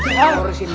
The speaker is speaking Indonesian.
tidak terus ini